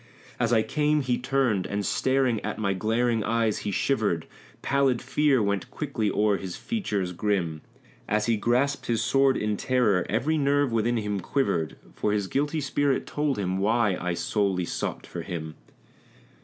As I came he turned, and staring at my glaring eyes he shivered; Pallid fear went quickly o'er his features grim; As he grasped his sword in terror, every nerve within him quivered, For his guilty spirit told him why I solely sought for him.